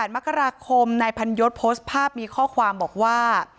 มกราคมนายพันยศโพสต์ภาพมีข้อความบอกว่า